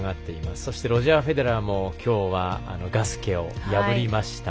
そして、ロジャー・フェデラーもきょうはガスケを破りました。